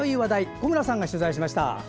小村さんが取材しました。